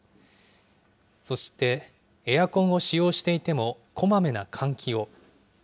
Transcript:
そして、エアコンを使用していても、こまめな換気を。